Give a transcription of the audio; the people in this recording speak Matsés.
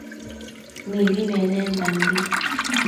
Mibi menendanbi